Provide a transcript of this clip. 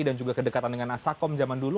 dan juga kedekatan dengan asakom zaman dulu